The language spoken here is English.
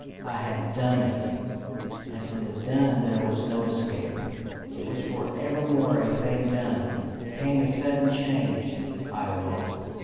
I had DONE it, and from the done there was no escape: it was for evermore a thing done. Came a sudden change: I awoke.